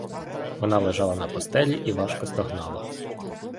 Вона лежала на постелі і важко стогнала.